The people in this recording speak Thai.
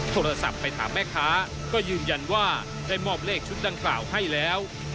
โทรศัพท์ไปถามแม่ค้าก็ยืนยันว่าได้มอบเลขชุดดังกล่าวให้แล้ว